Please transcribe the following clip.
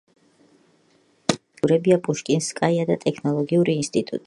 უახლოესი მეტროს სადგურებია „პუშკინსკაია“ და „ტექნოლოგიური ინსტიტუტი“.